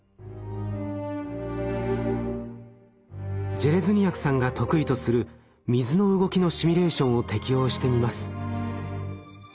ジェレズニヤクさんが得意とする水の動きのシミュレーションを適用してみます。